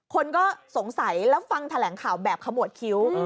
คนก็สงสัยแล้วฟังแถลงข่าวแบบขมวดคิ้ว